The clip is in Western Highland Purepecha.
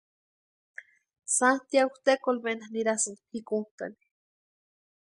Santiagu tekolmena nirasti pʼikuntani.